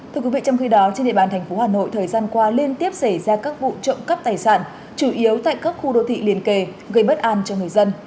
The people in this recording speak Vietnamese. thưa quý vị trong khi đó trên địa bàn thành phố hà nội thời gian qua liên tiếp xảy ra các vụ trộm cắp tài sản chủ yếu tại các khu đô thị liên kề gây bất an cho người dân